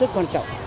nó rất là quan trọng